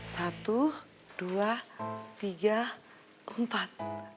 satu dua tiga empat